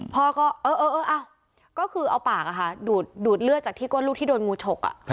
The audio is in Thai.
พอก็เอาปากดูดเลือดจากที่ก้นลูกที่โดนงูฉก